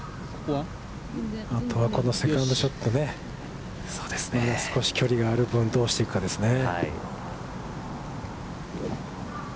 あとはこのセカンドショットね、まだ少し距離がある分、どうしていくかですね。